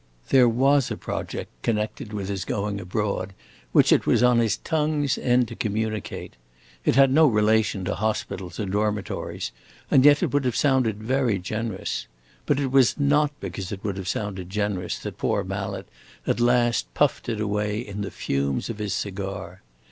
There was a project connected with his going abroad which it was on his tongue's end to communicate. It had no relation to hospitals or dormitories, and yet it would have sounded very generous. But it was not because it would have sounded generous that poor Mallet at last puffed it away in the fumes of his cigar.